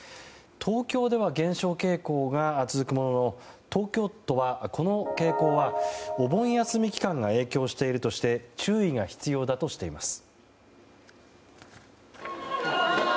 東京では減少傾向が続くものの東京都は、この傾向はお盆休み期間が影響しているとして注意が必要だとしています。